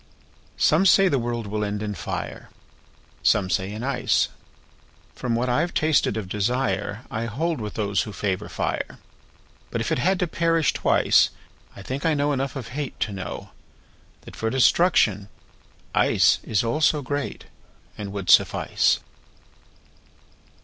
SOME say the world will end in fire, Some say in ice. From what I've tasted of desireI hold with those who favor fire. But if it had to perish twice,I think I know enough of hateTo know that for destruction iceIs also greatAnd would suffice.